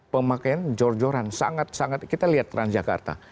pemakaian jor joran sangat sangat kita lihat transjakarta